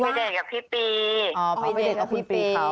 เลยไปเดทกับพี่ปี